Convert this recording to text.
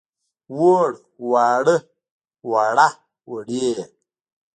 ووړ، واړه، وړه، وړې.